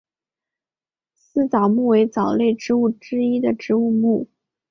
丝藻目为藻类植物之一植物目。